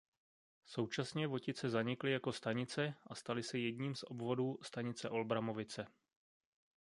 Současně Votice zanikly jako stanice a staly se jedním z obvodů stanice Olbramovice.